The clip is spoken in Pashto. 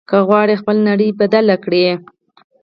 که غواړې خپله نړۍ بدله کړې.